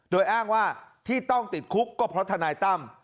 โดยอ้างว่าที่ต้องติดคุกก็เพราะทนายตั้ม